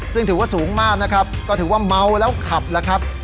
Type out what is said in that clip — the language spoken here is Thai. ซึ่งถือว่าสูงมากนะครับก็ถือว่าเมาแล้วขับแล้วครับ